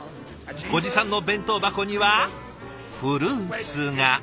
ご持参の弁当箱にはフルーツが。